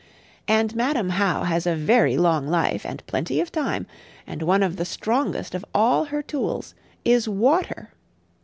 And Madam How has a very long life, and plenty of time; and one of the strongest of all her tools is water.